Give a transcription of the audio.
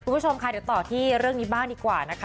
คุณผู้ชมค่ะเดี๋ยวต่อที่เรื่องนี้บ้างดีกว่านะคะ